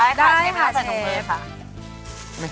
ได้ค่ะใช่ค่ะเสร็จถุงมือค่ะ